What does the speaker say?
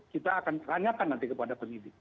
kita akan tanyakan nanti kepada penyidik